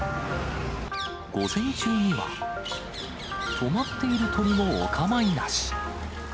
午前中には、とまっている鳥もお構いなし。